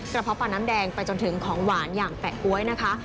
เพาะปลาน้ำแดงไปจนถึงของหวานอย่างแปะก๊วยนะคะ